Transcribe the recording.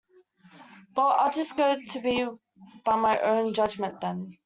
Well, I’ll just go by my own judgment then.